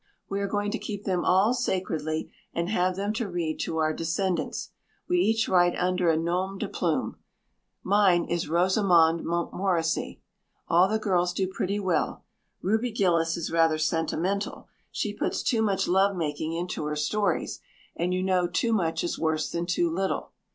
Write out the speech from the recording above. We are going to keep them all sacredly and have them to read to our descendants. We each write under a nom de plume. Mine is Rosamond Montmorency. All the girls do pretty well. Ruby Gillis is rather sentimental. She puts too much lovemaking into her stories and you know too much is worse than too little.